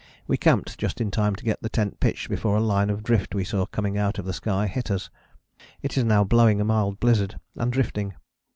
We camped just in time to get the tent pitched before a line of drift we saw coming out of the sky hit us. It is now blowing a mild blizzard and drifting.